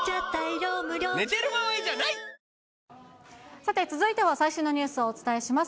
さて続いては最新のニュースをお伝えします。